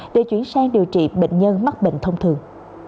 để chuyển sang điều trị bệnh nhân mắc bệnh thông thường